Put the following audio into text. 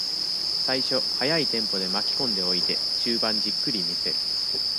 最初、速いテンポで巻きこんでおいて、中盤じっくり見せる。